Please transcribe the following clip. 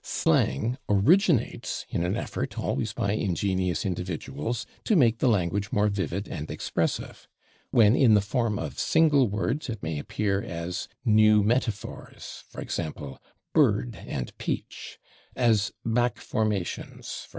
Slang originates in an effort, always by ingenious individuals, to make the language more vivid and expressive. When in the form of single words it may appear as new metaphors, [Pg310] /e. g./, /bird/ and /peach/; as back formations, /e. g.